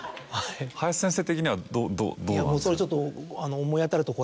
林先生的にはどうなんですか？